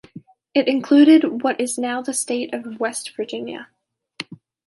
It included what is now the State of West Virginia.